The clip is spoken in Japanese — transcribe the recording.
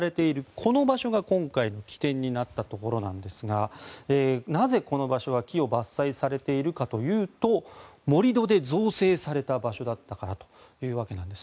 この場所が今回の起点になったところなんですがなぜ、この場所は木を伐採されているかというと盛り土で造成された場所だったからというわけなんです。